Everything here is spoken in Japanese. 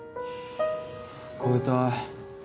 超えた？